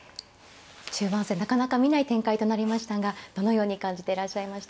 中盤戦なかなか見ない展開となりましたがどのように感じていらっしゃいましたか。